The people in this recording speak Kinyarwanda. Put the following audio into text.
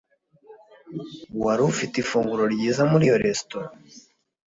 Wari ufite ifunguro ryiza muri iyo resitora?